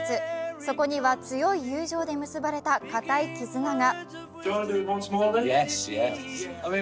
そこには強い友情で結ばれた固い絆が。